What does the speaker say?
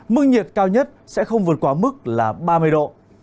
mức nhiệt cao nhất sẽ không vượt quá mức là ba mươi độ